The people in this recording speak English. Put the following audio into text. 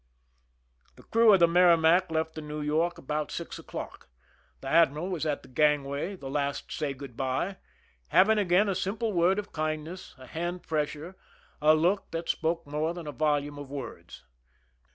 The crew of the Merrimac left the New York about 75 THE SINKING OF THE "MERRIMAC" six o'clock. The admiral was at the gangway, the \ last to say good by, having again a simple word of kindness, a hand pressure, a look that spoke more ^i than a volume of words.